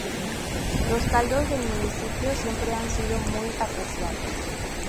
Los caldos del municipio siempre han sido muy apreciados.